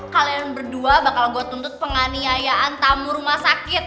kalian berdua bakal gue tuntut penganiayaan tamu rumah sakit